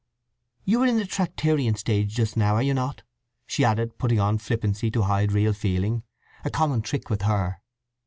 "You are in the Tractarian stage just now, are you not?" she added, putting on flippancy to hide real feeling, a common trick with her.